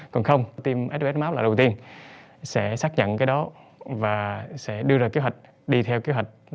còn không team sos map là đầu tiên sẽ xác nhận cái đó và sẽ đưa ra kế hoạch đi theo kế hoạch